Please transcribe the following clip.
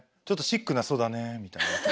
ちょっとシックな「そだねー」みたいな。